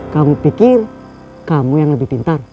kamu pikir kamu yang lebih pintar